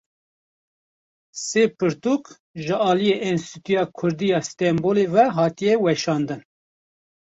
Sê pirtûk ji aliyê Enstîtuya Kurdî ya Stenbolê ve hatine weşandin.